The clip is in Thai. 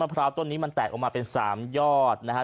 พร้าวต้นนี้มันแตกออกมาเป็น๓ยอดนะฮะ